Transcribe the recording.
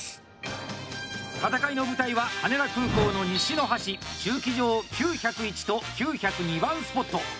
戦いの舞台は羽田空港の西の端駐機場９０１と９０２番スポット。